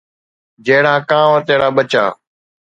جهڙا ڪانوَ تهڙا ٻچا